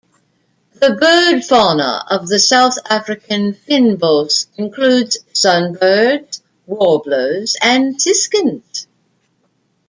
The bird fauna of the South African fynbos includes sunbirds, warblers and siskins.